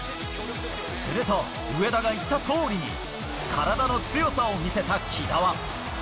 すると、上田が言ったとおりに、体の強さを見せた木田は。